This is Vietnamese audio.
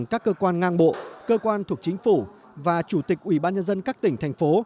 cơ quan ngang bộ cơ quan thuộc chính phủ và chủ tịch ubnd các tỉnh thành phố